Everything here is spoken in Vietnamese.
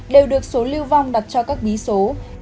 đều được số lưu vong đặt cho các bí số